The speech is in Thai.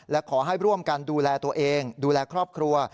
และขอให้ร่วมกันดูแลตัวเองดูแลครอบครัว